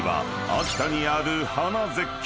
［秋田にある花絶景］